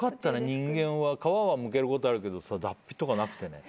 人間は皮はむけることあるけどさ脱皮とかなくてね。